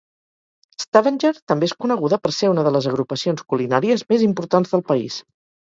Stavanger també és coneguda per ser una de les agrupacions culinàries més importants del país.